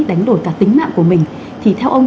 đánh đổi cả tính mạng của mình thì theo ông